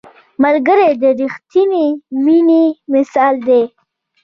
ملګری د رښتیني مینې مثال دی